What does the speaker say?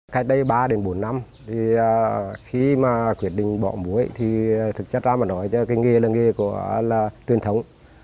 cách đây ba đến bốn năm thì khi mà quyết định bỏ muối thì thực chất ra mà nói cho cái nghề là nghề của là tuyên thống